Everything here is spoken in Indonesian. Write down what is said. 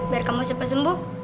biar kamu sempat sembuh